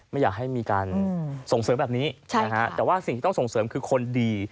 ไม่อยากให้มีการส่งเสริมแบบนี้